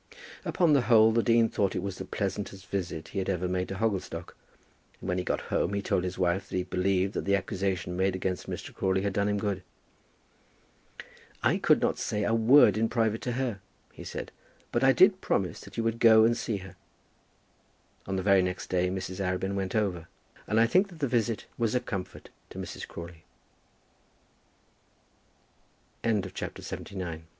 Upon the whole the dean thought it the pleasantest visit he had ever made to Hogglestock, and when he got home he told his wife that he believed that the accusation made against Mr. Crawley had done him good. "I could not say a word in private to her," he said, "but I did promise that you would go and see her." On the very next day Mrs. Arabin went over, and I think that the visit was a comfort to Mrs. Crawley. CHAPTER LXXX. MISS DEMOLINES DESIRES TO BECOME A FINGER POST.